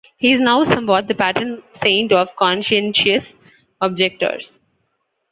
He is now somewhat the patron saint of conscientious objectors.